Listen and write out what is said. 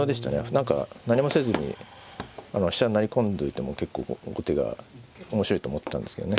何か何もせずに飛車成り込んどいても結構後手が面白いと思ったんですけどね